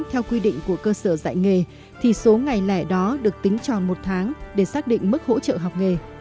theo quy định của cơ sở dạy nghề thì số ngày lẻ đó được tính tròn một tháng để xác định mức hỗ trợ học nghề